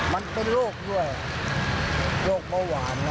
มันเป็นโรคด้วยโรคเบาหวาน